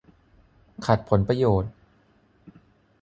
ขัดผลประโยชน์